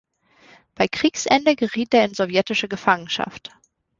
Bei Kriegsende geriet er in sowjetische Gefangenschaft.